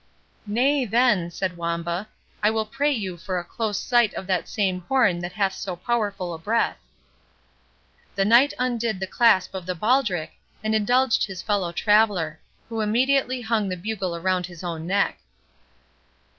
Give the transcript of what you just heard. "Nay, then," said Wamba, "I will pray you for a close sight of that same horn that hath so powerful a breath." The Knight undid the clasp of the baldric, and indulged his fellow traveller, who immediately hung the bugle round his own neck.